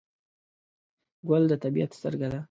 ګل د طبیعت سترګه ده.